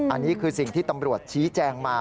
อันนี้คือสิ่งที่ตำรวจชี้แจงมา